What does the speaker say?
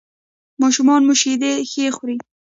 ماشوم مو شیدې ښه خوري؟